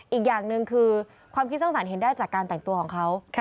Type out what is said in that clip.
อีกอย่างหนึ่งคือความคิดสร้างสรรค์เห็นได้จากการแต่งตัวของเขา